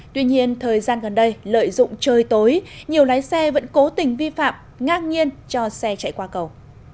tuy nhiên thời gian gần đây lợi dụng trời tối nhiều lái xe vẫn cố tình vi phạm ngạc nhiên cho xe chạy qua cầu